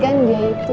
tapi kan dia itu